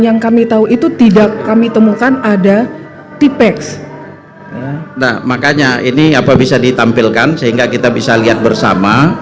nah makanya ini apa bisa ditampilkan sehingga kita bisa lihat bersama